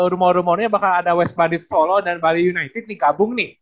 rumor rumornya bakal ada west bandit solo dan bali united nih gabung nih